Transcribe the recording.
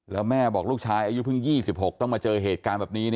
แล้วแม่บอกลูกชายอายุเพิ่ง๒๖ต้องมาเจอเหตุการณ์แบบนี้